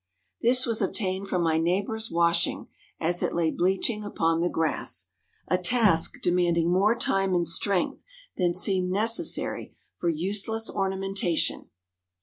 This was obtained from my neighbor's washing as it lay bleaching upon the grass, a task demanding more time and strength than seemed necessary for useless ornamentation.